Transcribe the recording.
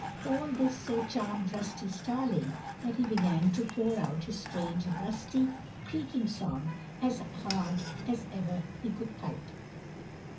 All this so charmed Rusty Starling that he began to pour out his strange rusty, creaking song as hard as ever he could pipe.